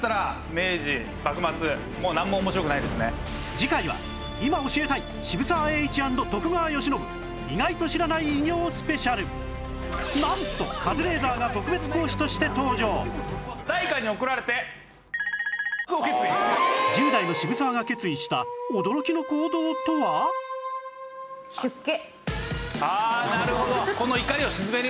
次回はなんと１０代の渋沢が決意した驚きの行動とは？あなるほど。